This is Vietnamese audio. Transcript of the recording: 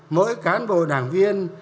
mỗi cán bộ đảng viên